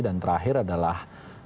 dan terakhir adalah